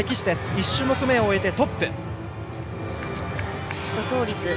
１種目めを終えてトップ。